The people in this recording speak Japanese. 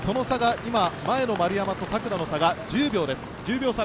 前の丸山と作田の差が１０秒です。